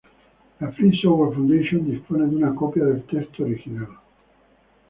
La Free Software Foundation dispone de una copia del texto original